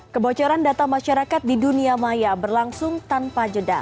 kebocoran data masyarakat di dunia maya berlangsung tanpa jeda